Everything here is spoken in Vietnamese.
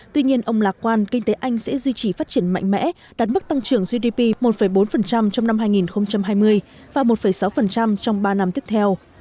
tuy nhiên ông lạc quan kinh tế anh sẽ duy trì phát triển mạnh mẽ đạt mức tăng trưởng gdp một bốn trong năm hai nghìn hai mươi và một sáu trong ba năm tiếp theo